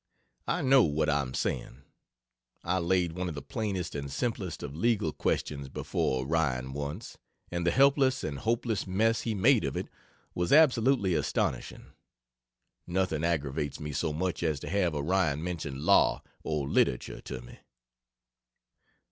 I know what I am saying. I laid one of the plainest and simplest of legal questions before Orion once, and the helpless and hopeless mess he made of it was absolutely astonishing. Nothing aggravates me so much as to have Orion mention law or literature to me.